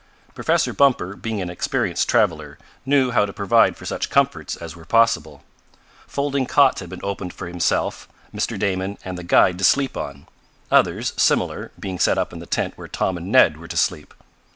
Professor Bumper, being an experienced traveler, knew how to provide for such comforts as were possible. Folding cots had been opened for himself, Mr. Damon and the guide to sleep on, others, similar, being set up in the tent where Tom and Ned were to sleep.